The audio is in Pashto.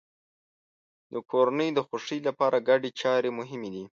د کورنۍ د خوښۍ لپاره ګډې چارې مهمې دي.